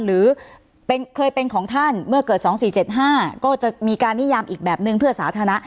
หรือเคยเป็นของท่านเมื่อเกิด๒๔๗๕ก็จะมีการนิยามอีกแบบนึงเพื่อสาธารณะ